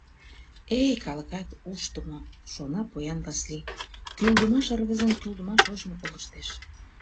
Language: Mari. «Эй, калыкат ушдымо, — шона поян Васлий, — кӱлдымаш рвезын кӱлдымаш ойжым колыштеш...